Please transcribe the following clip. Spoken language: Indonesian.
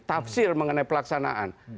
tafsir mengenai pelaksanaan